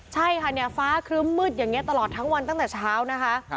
ใช่ค่ะเนี่ยฟ้าครึ้มมืดอย่างนี้ตลอดทั้งวันตั้งแต่เช้านะคะ